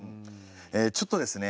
えちょっとですね